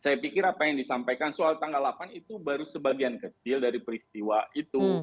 saya pikir apa yang disampaikan soal tanggal delapan itu baru sebagian kecil dari peristiwa itu